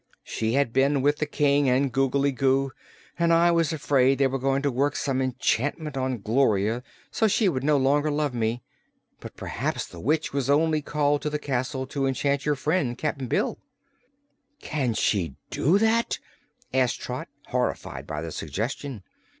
She had been with the King and Googly Goo, and I was afraid they were going to work some enchantment on Gloria so she would no longer love me. But perhaps the witch was only called to the castle to enchant your friend, Cap'n Bill." "Could she do that?" asked Trot, horrified by the suggestion.